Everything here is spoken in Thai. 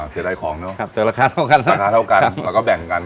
เสียดายของเนอะเจอราคาเท่ากันราคาเท่ากันแล้วก็แบ่งกัน